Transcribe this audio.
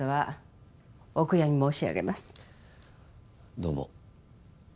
どうも。